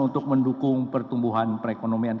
untuk mendukung pertumbuhan perekonomian